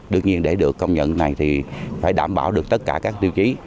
đương nhiên để được công nhận này thì phải đảm bảo được tất cả các tiêu chí